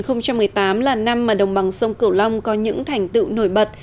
thưa quý vị năm hai nghìn một mươi tám là năm mà đồng bằng sông cửu long có những thành tựu nổi bật